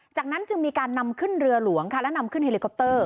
จากนั้นจึงมีการนำขึ้นเรือหลวงค่ะและนำขึ้นเฮลิคอปเตอร์